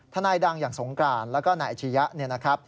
นายดังอย่างสงกรานแล้วก็นายอาชียะเนี่ยนะครับ